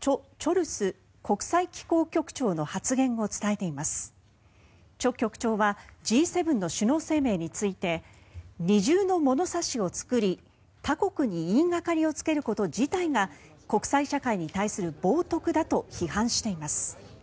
チョ局長はＧ７の首脳声明について二重の物差しを作り他国に言いがかりをつけること自体が国際社会に対する冒とくだと批判しています。